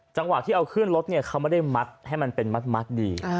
จังหวะที่เอาขึ้นรถเนี่ยเขาไม่ได้มัดให้มันเป็นมัดดี